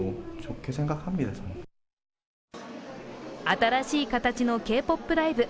新しい形のＫ−ＰＯＰライブ。